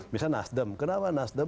misalnya nasdem kenapa nasdem